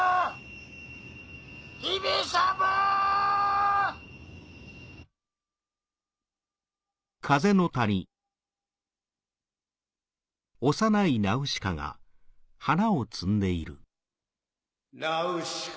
姫様‼ナウシカ！